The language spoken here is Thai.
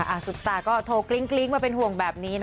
อัสุตาโทรกลิ๊กมาเป็นห่วงแบบนี้